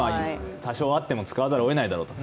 多少あっても使わざるをえないだろうと。